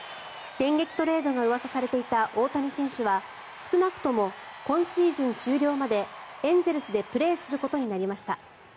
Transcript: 電撃トレードがうわさされていた大谷選手は少なくとも、今シーズン終了までエンゼルスでプレーすることになりました。